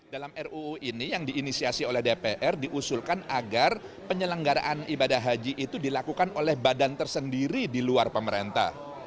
dalam ruu ini yang diinisiasi oleh dpr diusulkan agar penyelenggaraan ibadah haji itu dilakukan oleh badan tersendiri di luar pemerintah